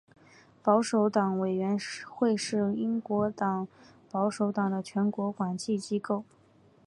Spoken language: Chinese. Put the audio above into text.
保守党委员会是英国保守党的全国管制机构。